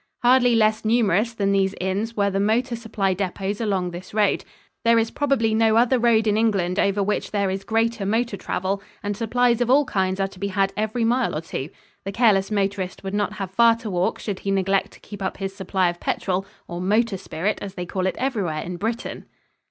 Hardly less numerous than these inns were the motor supply depots along this road. There is probably no other road in England over which there is greater motor travel, and supplies of all kinds are to be had every mile or two. The careless motorist would not have far to walk should he neglect to keep up his supply of petrol or motor spirit, as they call it everywhere in Britain.